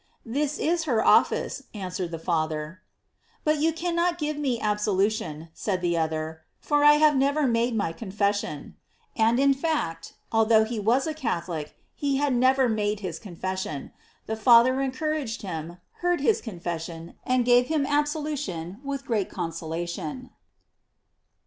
"This is her office," an wered the Father. ''But you cannot give me absolution," said the other, "for I have never made my confession." And, in fact, although he was a Catholic, he had never made his con fession. The Father encouraged him, heard his confession, and gave him absolution with great consolation.